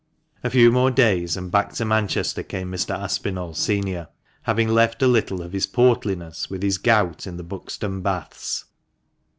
A few more days, and back to Manchester came Mr. Aspinall, senior, having left a little of his portliness with his gout in the Buxton Baths.